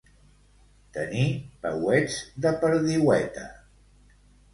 Tenir peuets de perdiueta.